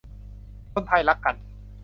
คนไทยรักกัน